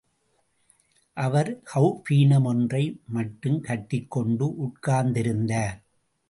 அவர் கௌபீனம் ஒன்றை மட்டும் கட்டிக்கொண்டு உட்கார்ந்திருந்தார்.